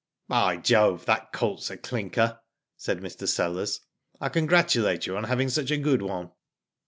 '* By Jove, that colt's a clinker," said Mr. Sellers. " I congratulate you on having such a good one."